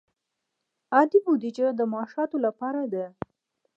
عادي بودجه د معاشاتو لپاره ده